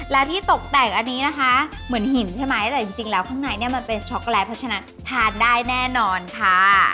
และที่ตกแต่งอันนี้นะคะเหมือนหินใช่ไหมแต่จริงแล้วข้างในเนี่ยมันเป็นช็อกโกแลตเพราะฉะนั้นทานได้แน่นอนค่ะ